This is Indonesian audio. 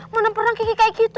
mana pernah geki kayak gitu